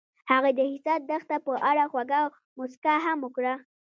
هغې د حساس دښته په اړه خوږه موسکا هم وکړه.